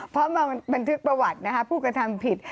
เพราะมันถือกประวัตินะครับผู้กระทำผิด